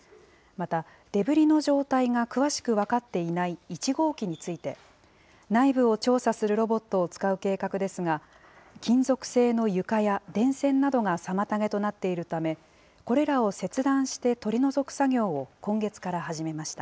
またデブリの状態が詳しく分かっていない１号機について、内部を調査するロボットを使う計画ですが、金属製の床や電線などが妨げとなっているため、これらを切断して取り除く作業を今月から始めました。